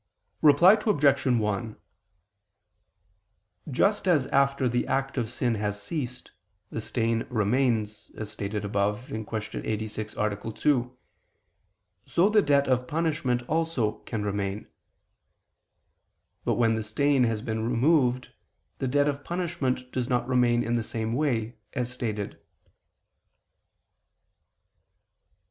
Reply Obj. 1: Just as after the act of sin has ceased, the stain remains, as stated above (Q. 86, A. 2), so the debt of punishment also can remain. But when the stain has been removed, the debt of punishment does not remain in the same way, as stated.